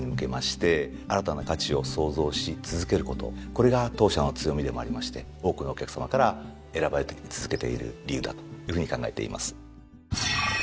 これが当社の強みでもありまして多くのお客さまから選ばれ続けている理由だというふうに考えています。